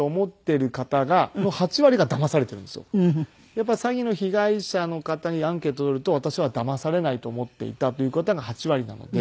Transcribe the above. やっぱり詐欺の被害者の方にアンケート取ると私はだまされないと思っていたという方が８割なので。